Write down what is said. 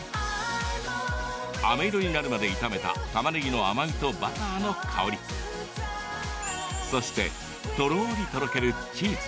あめ色になるまで炒めたたまねぎの甘みとバターの香りそして、とろりとろけるチーズ。